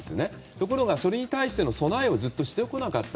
ところが、それに対しての備えをずっとしてこなかった。